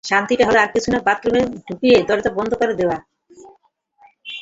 শাস্তিটা হল আর কিছুই না, বাথরুমে ঢুকিয়ে দরজা বন্ধ করে দেওয়া।